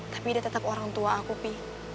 tapi dia tetap orang tua aku pin